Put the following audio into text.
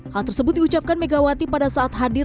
hal tersebut diucapkan megawati pada saat hadir